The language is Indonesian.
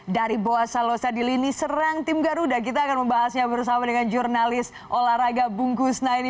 dari boa salosa di lini serang tim garuda kita akan membahasnya bersama dengan jurnalis olahraga bungkus naini